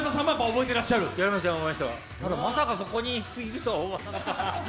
覚えてます、ただ、まさかそこにいくとは思わなかった。